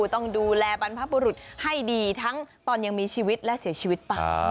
ต้องดูแลบรรพบุรุษให้ดีทั้งตอนยังมีชีวิตและเสียชีวิตไป